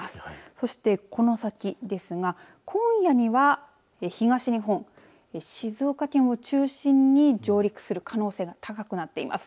そしてこの先ですが今夜には東日本静岡県を中心に上陸する可能性が高くなっています。